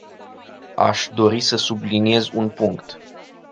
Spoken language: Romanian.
Aș dori să subliniez un punct.